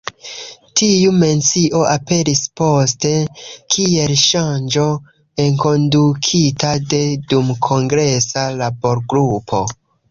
Tiu mencio aperis poste, kiel ŝanĝo enkondukita de dumkongresa laborgrupo.